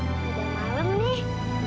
udah malem nih